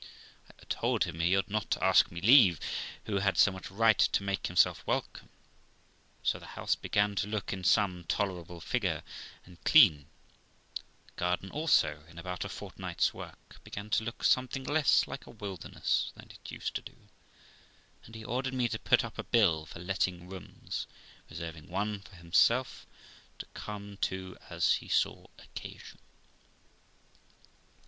I told him he ought not to ask me leave, who had so much right to make himself welcome. So the house began to look in some tolerable figure, and clean; the garden also, in about a fortnight's work, began to look something less like a wilderness than it used to do ; and he ordered me to put up a bill for letting rooms, reserving one for himself, to come to as he saw occasion.